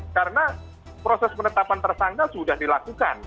karena proses penetapan tersangka sudah dilakukan